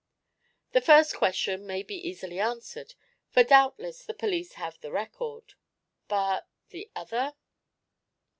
The first question may be easily answered, for doubtless the police have the record. But the other?"